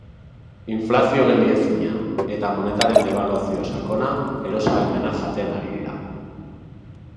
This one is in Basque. Inflazio geldiezina eta monetaren debaluazio sakona eros-ahalmena jaten ari dira.